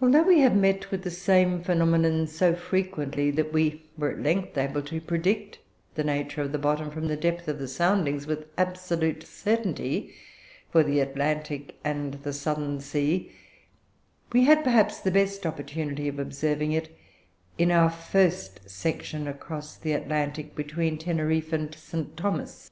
"Although we have met with the same phenomenon so frequently, that we were at length able to predict the nature of the bottom from the depth of the soundings with absolute certainty for the Atlantic and the Southern Sea, we had, perhaps, the best opportunity of observing it in our first section across the Atlantic, between Teneriffe and St. Thomas.